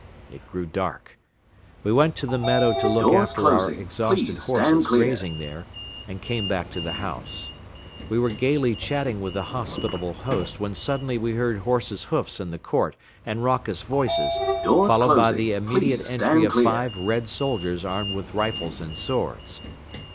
It grew dark. We went to the meadow to look after our exhausted horses grazing there and came back to the house. We were gaily chatting with the hospitable host when suddenly we heard horses' hoofs in the court and raucous voices, followed by the immediate entry of five Red soldiers armed with rifles and swords.